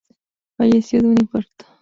Falleció de un infarto.